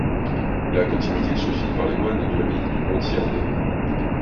La continuité se fit par les moines de l'abbaye de Montier-en-Der.